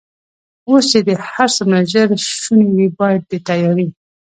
اوس چې هر څومره ژر شونې وي، باید د تیارې.